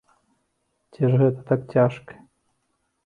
Ці ж гэта так цяжка?